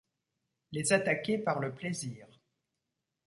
Les attaquer par le plaisir.